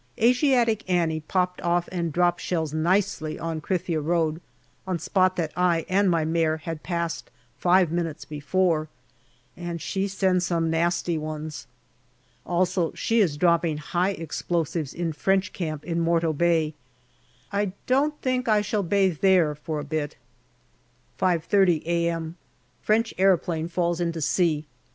" Asiatic Annie " popped off and dropped shells nicely on Krithia road, on spot that I and my mare had passed five minutes before, and she sends some nasty ones. Also she is dropping high explosives in French camp in Morto Bay. I don't think I shall bathe there for a bit. 5.30 a.m. French aeroplane falls into sea.